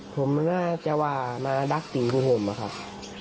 ผมน่าจะว่ามาดักตีผู้ห่มครับ